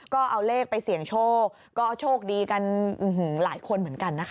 ก็เอาเลขไปเสี่ยงโชคก็โชคดีกันหลายคนเหมือนกันนะคะ